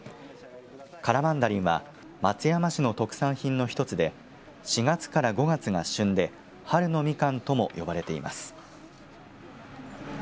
カラマンダリンは松山市の特産品の一つで４月から５月が旬で春のみかんとも呼ばれています。